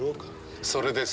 それです。